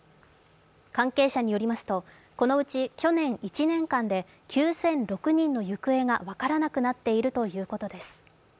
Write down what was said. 関係者によりますとこのうち去年１年間で９００６人の行方が分からなくなっているということです。